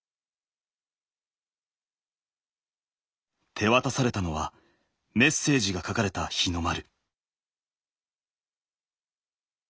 手渡されたのはメッセージが書かれた日の丸。